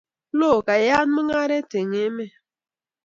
loo, koyait mungaret eng emet